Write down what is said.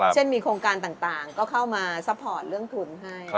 เช่นมีโครงการต่างก็เข้ามาซัพพอร์ตเรื่องทุนให้